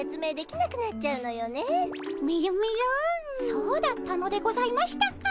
そうだったのでございましたか。